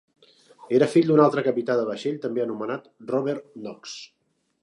Era fill d'un altre capità de vaixell, també anomenat Robert Knox.